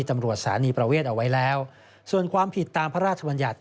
สถานีประเวทเอาไว้แล้วส่วนความผิดตามพระราชบัญญัติ